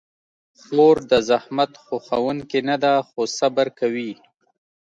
خور د زحمت خوښونکې نه ده، خو صبر کوي.